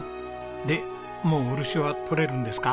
でもう漆は採れるんですか？